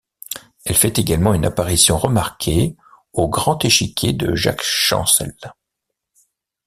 Elle fait également une apparition remarquée au Grand Échiquier de Jacques Chancel.